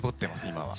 今は。